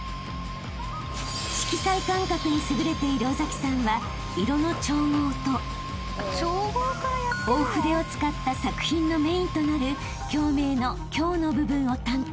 ［色彩感覚に優れている尾さんは色の調合と大筆を使った作品のメインとなる共鳴の「共」の部分を担当］